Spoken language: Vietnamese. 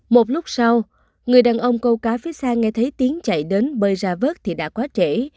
một lúc sau người đàn ông câu cá phía xa nghe thấy tiếng chạy đến bơi ra vớt thì đã quá trễ